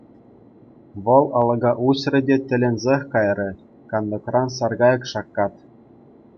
Вӑл алӑка уҫрӗ те тӗлӗнсех кайрӗ: кантӑкран саркайӑк шаккать.